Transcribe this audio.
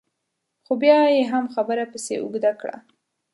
خو بیا به یې هم خبره پسې اوږده کړه.